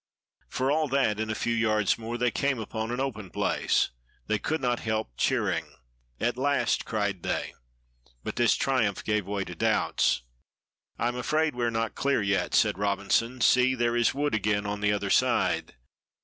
For all that, in a few yards more they came upon an open place. They could not help cheering. "At last!" cried they. But this triumph gave way to doubts. "I am afraid we are not clear yet," said Robinson. "See, there is wood again on the other side.